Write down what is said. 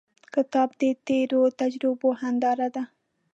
کتاب د تیرو تجربو هنداره ده.